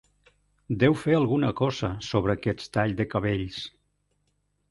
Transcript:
Deu fer alguna cosa sobre aquest tall de cabells.